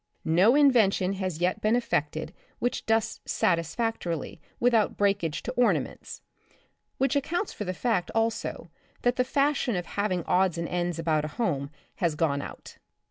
No invention has yet been effected which dusts satisfactorily without breakage to ornaments, which accounts for the fact, also, that the fashion of having odds and ends about a home has gone out.